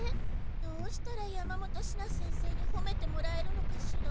どうしたら山本シナ先生にほめてもらえるのかしら。